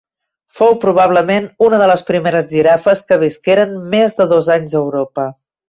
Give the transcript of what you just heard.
Fou probablement una de les primeres girafes que visqueren més de dos anys a Europa.